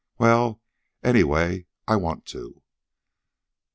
well, anyway, I want to."